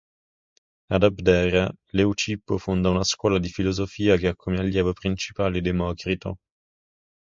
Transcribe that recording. Ad Abdera, Leucippo fonda una scuola di filosofia ed ha come allievo principale Democrito.